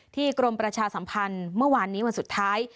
กรมประชาสัมพันธ์เมื่อวานนี้วันสุดท้าย